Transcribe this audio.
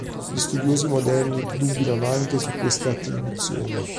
Gli studiosi moderni dubitano anche su queste attribuzioni.